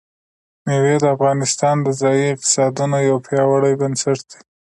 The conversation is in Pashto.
مېوې د افغانستان د ځایي اقتصادونو یو پیاوړی بنسټ دی.